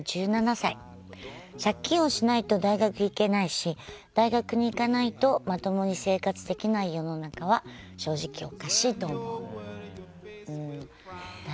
借金をしないと大学に行けないし大学に行かないとまともに生活できない世の中は正直おかしいと思うと。